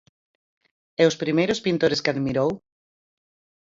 E os primeiros pintores que admirou?